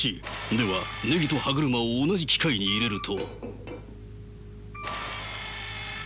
ではネギと歯車を同じ機械に入れると。